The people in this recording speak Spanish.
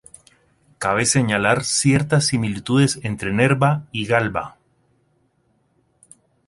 Cabe señalar ciertas similitudes entre Nerva y Galba.